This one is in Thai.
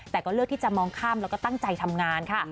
แต่ก็เลือกที่จะมองข้ามแล้วก็ตั้งใจทำงานค่ะ